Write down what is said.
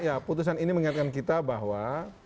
ya putusan ini mengingatkan kita bahwa